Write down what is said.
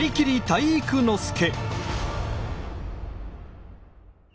体育ノ介！